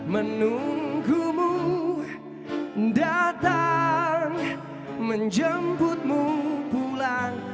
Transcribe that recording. menunggumu datang menjemputmu pulang